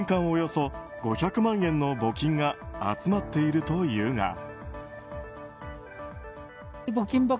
およそ５００万円の募金が集まっているというが。